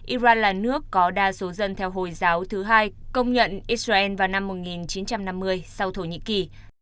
iran là nước có đa số dân theo hồi giáo thứ hai công nhận israel vào năm một nghìn chín trăm năm mươi sau thổ nhĩ kỳ